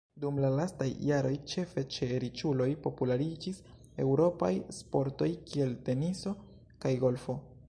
Dum la lastaj jaroj, ĉefe ĉe riĉuloj populariĝis eŭropaj sportoj kiel teniso kaj golfo.